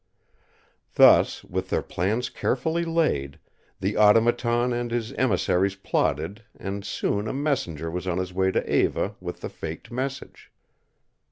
Thus, with their plans carefully laid, the Automaton and his emissaries plotted, and soon a messenger was on his way to Eva with the faked message.